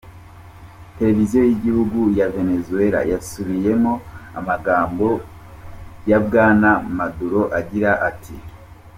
Televiziyo y'igihugu ya Venezuela yasubiyemo amagambo ya Bwana Maduro agira ati:.